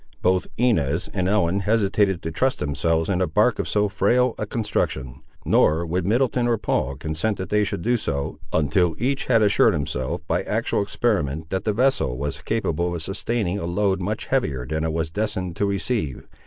Both Inez and Ellen hesitated to trust themselves in a bark of so frail a construction, nor would Middleton or Paul consent that they should do so, until each had assured himself, by actual experiment, that the vessel was capable of sustaining a load much heavier than it was destined to receive.